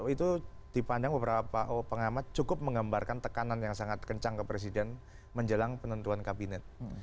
itu dipandang beberapa pengamat cukup menggambarkan tekanan yang sangat kencang ke presiden menjelang penentuan kabinet